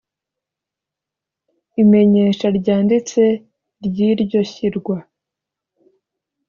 Imenyesha ryanditse ry iryo shyirwa